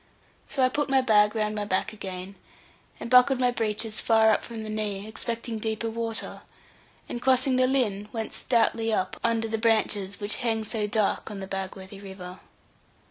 So I put the bag round my back again, and buckled my breeches far up from the knee, expecting deeper water, and crossing the Lynn, went stoutly up under the branches which hang so dark on the Bagworthy river.